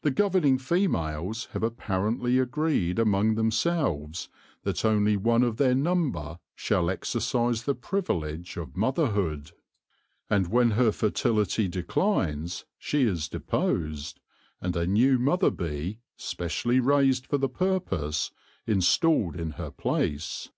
The governing females have apparently agreed among themselves that only one of their number shall exercise the privilege of motherhood ; and when her fertility declines, she is deposed, and a new mother bee, specially raised for the purpose, installed in her place.